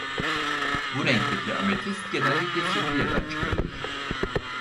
Bu renkteki ametist genellikle Sibirya'dan çıkarılır.